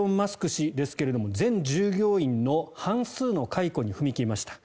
氏ですが全従業員の半数の解雇に踏み切りました。